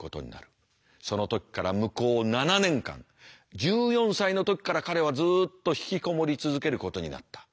その時から向こう７年間１４歳の時から彼はずっと引きこもり続けることになった。